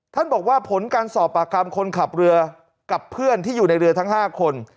ท่านบอกว่าผลการสอบปากคำคนขับเรือกับเพื่อนที่อยู่ในเรือทั้ง๕คน